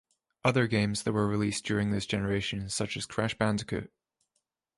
Other games that were released during this generation such as Crash Bandicoot.